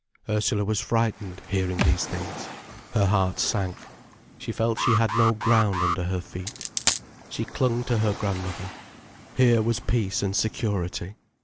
Ursula was frightened, hearing these things. Her heart sank, she felt she had no ground under her feet. She clung to her grandmother. Here was peace and security.